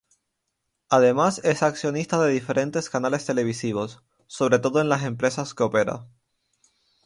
Además es accionista de diferentes canales televisivos, sobre todo en las empresas que opera.